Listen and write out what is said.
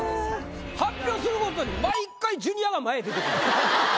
発表するごとに毎回ジュニアが前出てくる。